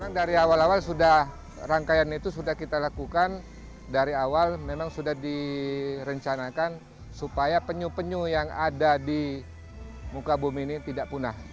memang dari awal awal sudah rangkaian itu sudah kita lakukan dari awal memang sudah direncanakan supaya penyu penyu yang ada di muka bumi ini tidak punah